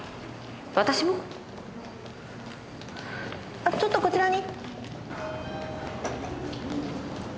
あっちょっとこちらに。